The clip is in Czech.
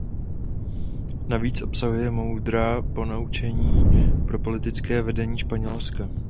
Navíc obsahuje moudrá ponaučení pro politické vedení Španělska.